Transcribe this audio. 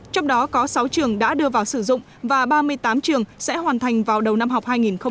trong đó có sáu trường đã đưa vào sử dụng và ba mươi tám trường sẽ hoàn thành vào đầu năm học hai nghìn hai mươi hai nghìn hai mươi một